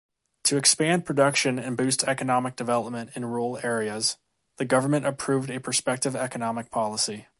To expand production and boost economic development in rural areas, the government approved a perspective economic policy.